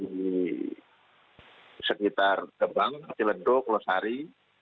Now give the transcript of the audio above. di sekitar gebang cileduk losari